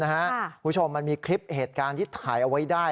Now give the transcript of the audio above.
คุณผู้ชมมันมีคลิปเหตุการณ์ที่ถ่ายเอาไว้ได้